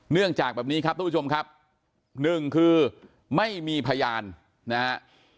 เนื่องจากแบบนี้ครับท่านผู้ชมครับ๑คือไม่มีพยานนะฮะ